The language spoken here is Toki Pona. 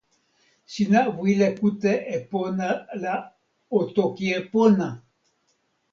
sina wile kute e pona la o toki e pona.